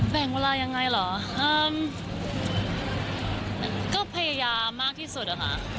แบ่งเวลายังไงเหรอเอิมก็พยายามมากที่สุดอะค่ะ